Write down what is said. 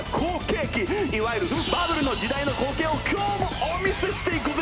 いわゆるバブルの時代の光景を今日もお見せしていくぜ！